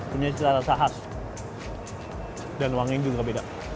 punya cita rasa khas dan wanginya juga beda